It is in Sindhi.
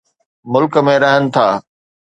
ملڪ ۾ رهن ٿا.